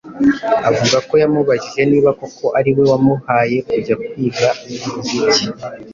avuga ko yamubajije niba koko ari we wamuhaye kujya kwiga umuziki